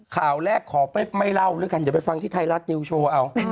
ข่าวแรกขอไม่เล่าแล้วกันเดี๋ยวไปฟังที่ไทยรัฐนิวโชว์เอา